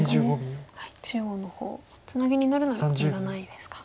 中央の方ツナギになるなら無駄ないですか。